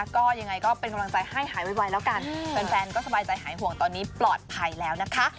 ก็ยังไงก็เป็นกำลังใจให้หายไวแล้วกันแฟนก็สบายใจหายห่วงตอนนี้ปลอดภัยแล้วนะคะ